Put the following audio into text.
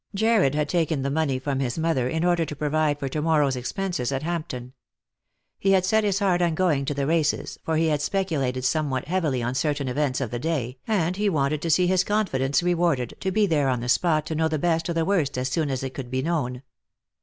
Jarred had taken the money from his mother in order to provide for to morrow's expenses at Hampton. He had set his heart on going to the races, for he had speculated some what heavily on certain events of the day, and he wanted to see his confidence rewarded, to be there on the spot to know the best or the worst as soon as it could be known.